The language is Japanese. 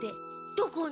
どこに？